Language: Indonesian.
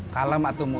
kalah mbak tumur